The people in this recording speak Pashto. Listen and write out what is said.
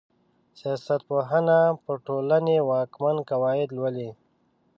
سياست پوهنه پر ټولني واکمن قواعد لولي.